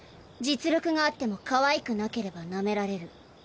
実力があってもかわいくなければなめられる。